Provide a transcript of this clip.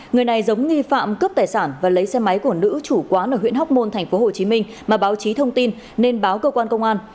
người này giống nghi phạm cướp tài sản và lấy xe máy của nữ chủ quán ở huyện hóc môn tp hcm mà báo chí thông tin nên báo cơ quan công an